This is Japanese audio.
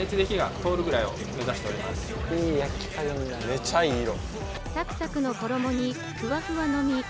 めっちゃいい色。